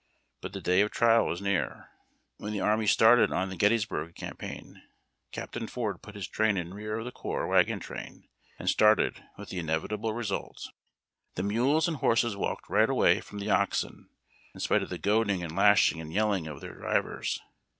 But the day of trial was near. When the army started on the Gettysburg campaign. Captain Ford put his train in rear of the corps wagon train, and started, with the inevitable result. The mules and horses walked right away from the oxen, in spite of the goading and lashing and yelling of their drivers.